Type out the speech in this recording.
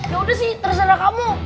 ya udah sih terserah kamu